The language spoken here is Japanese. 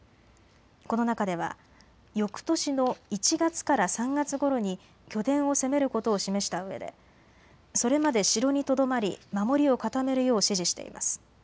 この中では、よくとしの１月から３月ごろに拠点を攻めることを示したうえでそれまで城にとどまり守りを固めるよう指示しています。